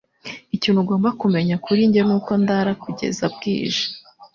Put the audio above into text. Ikintu ugomba kumenya kuri njye nuko ndara kugeza bwije